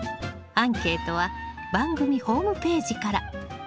アンケートは番組ホームページから。